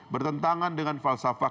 bertentangan dengan falsafah